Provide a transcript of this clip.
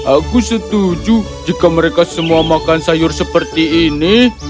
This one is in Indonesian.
aku setuju jika mereka semua makan sayur seperti ini